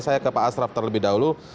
saya ke pak asraf terlebih dahulu